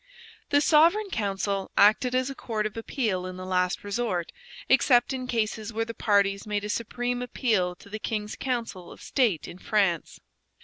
The Sovereign Council acted as a court of appeal in the last resort, except in cases where the parties made a supreme appeal to the King's Council of State in France.